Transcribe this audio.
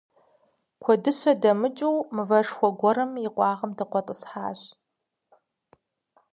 Куэдыщэ дымыкӀуу мывэшхуэ гуэрым и къуагъым дыкъуэтӀысхьащ.